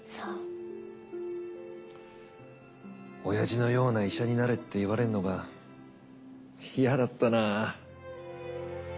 おやじのような医者になれって言われるのが嫌だったな。